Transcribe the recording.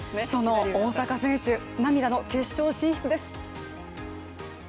その大坂選手、涙の決勝進出です。